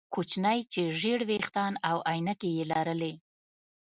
کوچنی چې ژیړ ویښتان او عینکې یې لرلې